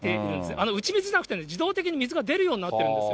あの打ち水じゃなくて、自動的に水が出るようになっているんです